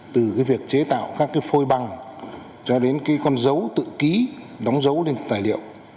từ việc chế tạo các phôi băng cho đến con dấu tự ký đóng dấu lên tài liệu